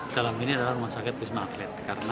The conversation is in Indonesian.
dalam ini adalah rumah sakit bismarck